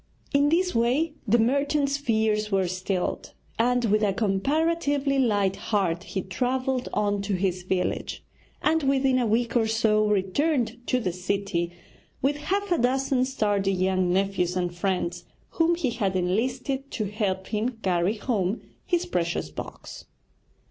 In this way the merchant's fears were stilled, and, with a comparatively light heart, he travelled on to his village; and within a week or so returned to the city with half a dozen sturdy young nephews and friends whom he had enlisted to help him carry home his precious box.